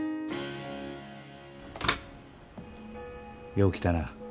よう来たな。